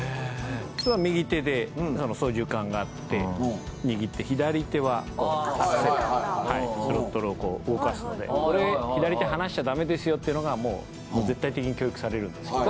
普通は右手で操縦かんがあって握って左手はアクセルスロットルを動かすので左手離しちゃダメですよっていうのがもう絶対的に教育されるんですけど。